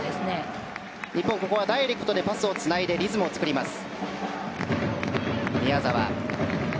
日本、ダイレクトにパスをつないでリズムを作ります。